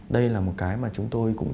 đây là một cái mà chúng tôi cũng